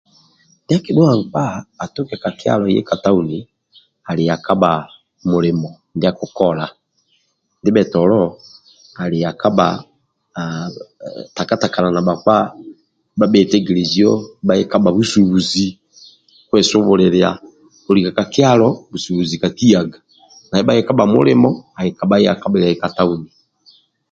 Ndia akidhua nkpa atuke ka kyalo aye ka tauni ali yakabha mulimo ndia akukola. Ndibhetolo ali yakabha aah takatakanana bhakpa nibha bhetegelezio ndibha kikabha busubuzi kwesubulilia. Kolika ka kyalo, busubuzi kakiyaga na ndibhakikabha mulimo akikabha yakabhiliai ka tauni.